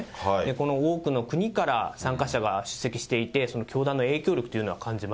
この多くの国から参加者が出席していて、その教団の影響力という